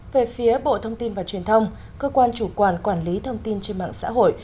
về phía bộ thông tin và truyền thông cơ quan chủ quản quản lý thông tin trên mạng xã hội